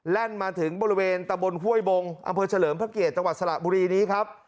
แล่นมาถึงบริเวณตะบนห้วยบงอเฉลิมพระเกียจตสระบุรีนี้ครับ